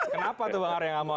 kenapa tuh bang arya gak mau